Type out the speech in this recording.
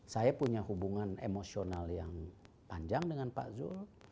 saya punya hubungan emosional yang panjang dengan pak zul